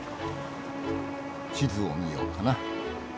地図を見ようかな。